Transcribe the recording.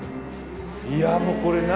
いやもうこれ何？